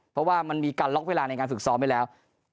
เพราะว่ามันมีการล็อกเวลาในการฝึกซ้อมไว้แล้ว